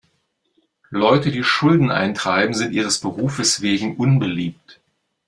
Leute, die Schulden eintreiben, sind ihres Berufes wegen unbeliebt.